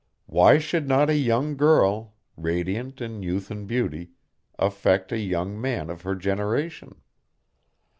Why should not a young girl, radiant in youth and beauty, affect a young man of her generation?